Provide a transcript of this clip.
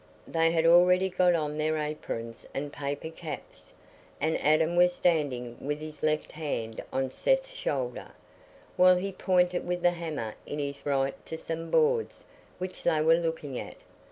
They had already got on their aprons and paper caps, and Adam was standing with his left hand on Seth's shoulder, while he pointed with the hammer in his right to some boards which they were looking at.